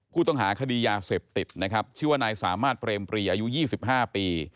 ผู้ต้องหาคดียาเสพติดนะครับชื่อว่านายสามารถเปรมปรีอายุ๒๕ปี